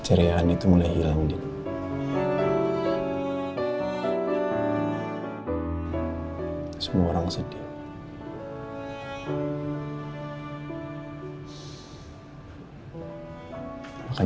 karena momen itu harus diabadikan